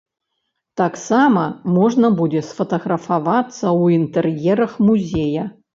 Таксама можна будзе сфатаграфавацца ў інтэр'ерах музея.